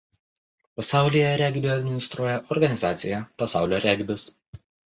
Pasaulyje regbį administruoja organizacija Pasaulio regbis.